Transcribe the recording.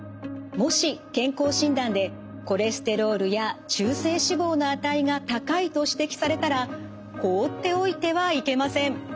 もし健康診断でコレステロールや中性脂肪の値が高いと指摘されたら放っておいてはいけません。